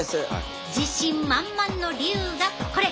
自信満々の理由がこれ。